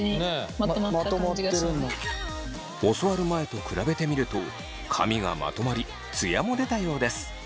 教わる前と比べてみると髪がまとまりツヤも出たようです。